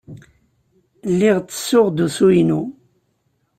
Lliɣ ttessuɣ-d usu-inu.